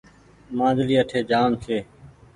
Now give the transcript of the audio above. مآنجلي اٺي جآم ڇي۔